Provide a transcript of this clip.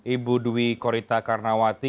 ibu dwi korita karnawati